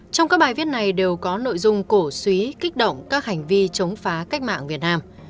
trong các bài viết này đều có nội dung cổ suý kích động các hành vi chống phá cách mạng việt nam